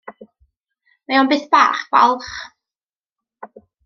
Mae o'n beth bach balch.